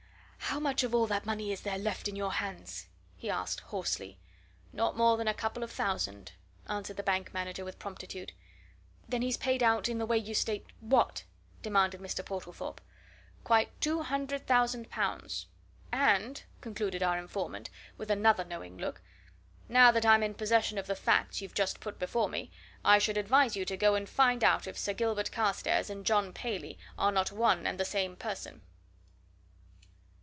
"How much of all that money is there left in your hands?" he asked, hoarsely. "Not more than a couple of thousand," answered the bank manager with promptitude. "Then he's paid out in the way you state what?" demanded Mr. Portlethorpe. "Quite two hundred thousand pounds! And," concluded our informant, with another knowing look, "now that I'm in possession of the facts you've just put before me, I should advise you to go and find out if Sir Gilbert Carstairs and John Paley are not one and the same person!"